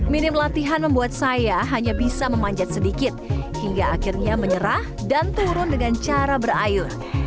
minim latihan membuat saya hanya bisa memanjat sedikit hingga akhirnya menyerah dan turun dengan cara berayun